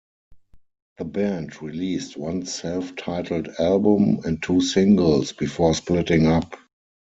The band released one self-titled album and two singles before splitting up.